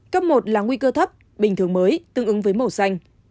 cấp một là nguy cơ thấp bình thường mới tương ứng với màu xanh